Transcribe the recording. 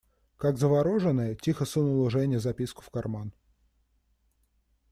Как завороженная, тихо сунула Женя записку в карман.